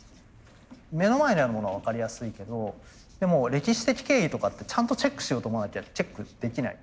目の前にあるものは分かりやすいけどでも歴史的経緯とかってちゃんとチェックしようと思わなきゃチェックできない。